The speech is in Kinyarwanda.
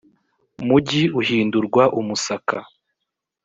mugi uhindurwa umusaka